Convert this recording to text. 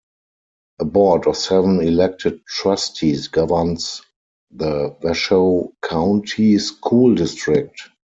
A board of seven elected trustees governs the Washoe County School District.